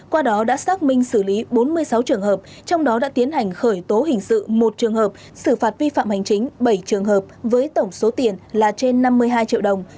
qua đó đã xác minh xử lý bốn mươi sáu trường hợp trong đó đã tiến hành khởi tố hình sự một trường hợp xử phạt vi phạm hành chính bảy trường hợp với tổng số tiền là trên năm mươi hai triệu đồng